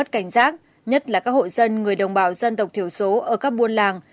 cảnh giác nhất là các hộ dân người đồng bào dân tộc thiểu số ở các buôn làng